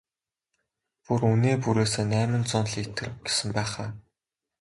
Бүр үнээ бүрээсээ найман зуун литр гэсэн байх аа?